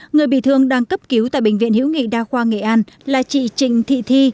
người bị thương đang cấp cứu tại bệnh viện hữu nghị đa khoa nghệ an là chị trịnh thị thi